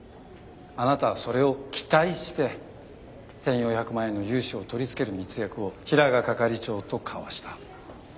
あなたはそれを期待して１４００万円の融資を取り付ける密約を平賀係長と交わした。